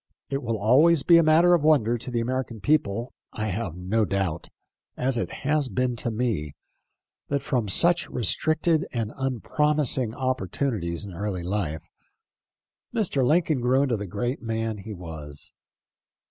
It will always be a matter of wonder to the American people, I have no doubt — as it has been to me — that from such restricted and unpromising opportu 42 THE LIFE OF LINCOLN. nities in early life, Mr. Lincoln grew into the great man he was.